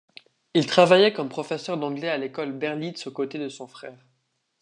Il travailla comme professeur d'anglais à l'école Berlitz aux côtés de son frère.